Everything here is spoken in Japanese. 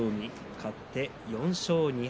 勝って４勝２敗。